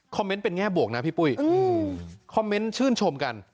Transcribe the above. เมนต์เป็นแง่บวกนะพี่ปุ้ยคอมเมนต์ชื่นชมกัน